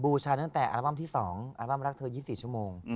บูชานั่นแต่อลับบัมที่๒อลับบัมรักเธอ๒๔ชั่วโมง